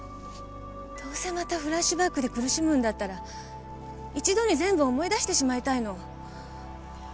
どうせまたフラッシュバックで苦しむんだったら一度に全部思い出してしまいたいの。